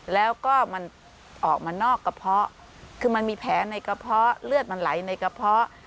แล้วก็มันออกมานอกกระเพาะคือมันมีแผลในกระเพาะเลือดมันไหลในกระเพาะ